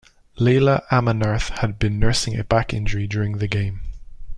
Lala Amarnath had been nursing a back injury during the game.